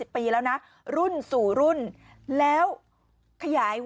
พี่ทำยังไงฮะ